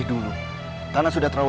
dan aku harap